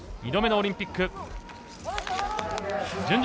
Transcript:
２度目のオリンピック。